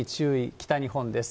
北日本です。